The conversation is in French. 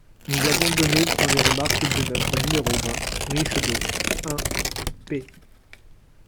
Nous avons donné, dans les remarques de notre nº vingt, _Richedeau_ (un, p.